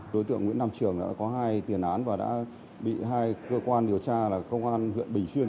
đối tượng nguyễn nam trường đã có hai tiền án và đã bị hai cơ quan điều tra là công an huyện bình xuyên